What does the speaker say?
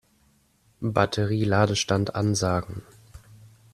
Batterie-Ladestand ansagen.